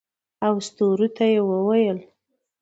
او ستورو ته یې وویل